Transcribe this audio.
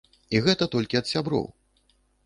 І гэта толькі ад сяброў.